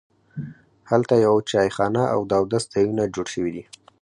هلته یوه چایخانه او د اودس ځایونه جوړ شوي دي.